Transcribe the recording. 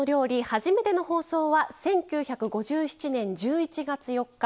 初めての放送は１９５７年１１月４日。